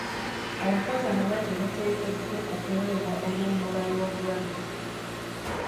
Abakozi abalwadde bateekeddwa okuweebwa oluwummula lw'obulwadde.